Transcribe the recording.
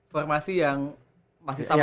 formasi yang masih sama